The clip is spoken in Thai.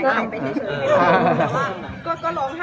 โอ้ยทุกคนคะพี่สงกันเมื่อกี้ค่ะ